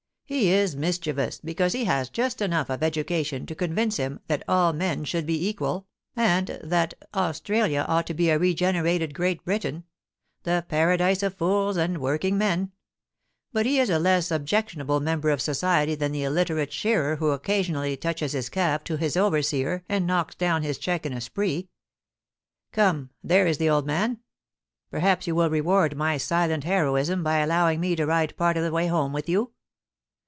He is mischievous, because he has just enough of education to convince him that all men should be equal, and that Australia ought to be a regenerated Great Britain — the Paradise of fools and working men ; but he is a less ob jectionable member of society than the illiterate shearer who occasionally touches his cap to his overseer and knocks down his cheque in a spree. Come — there is the old man ! Perhaps you will reward my silent heroism by allowing me to ride part of the way home with you